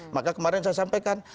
maka kemarin saya sampaikan